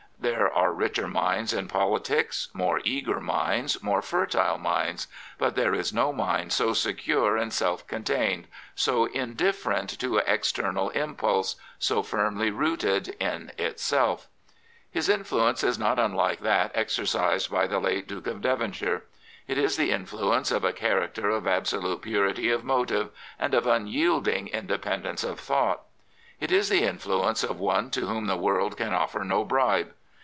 There are richer minds in politics, more eager minds, more fertile minds; but there is no mind so secure and self contained, so indifferent to external impulse, so firmly rooted in itself. His influence is not unlike that exercised by the late Duke of Devonshire. It is the influence of a character of absolute purity of motive and of unyielding in dependence of thought. JJ^Js the influence of one tp whom the world can offer no bribe.